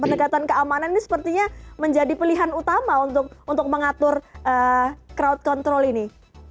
pendekatan keamanan ini sepertinya menjadi pilihan utama untuk mengatur crowd control ini